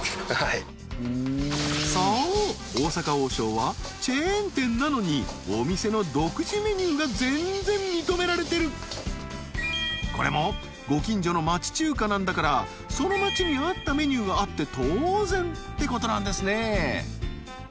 大阪王将はチェーン店なのにお店の独自メニューが全然認められてるこれもご近所の町中華なんだからその街に合ったメニューがあって当然ってことなんですね